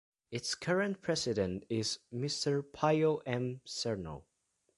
Its current president is Mr. Pio M. Cernal.